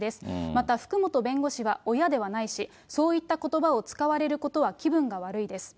また福本弁護士は親ではないし、そういったことばを使われることは気分が悪いです。